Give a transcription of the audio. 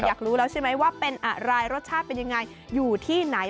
อยากรู้แล้วใช่ไหมว่าเป็นอะไรรสชาติเป็นยังไงอยู่ที่ไหน